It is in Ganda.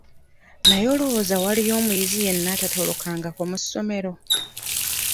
Naye olowooza waaliyo omuyizi yenna ataatolokako mu ssomero?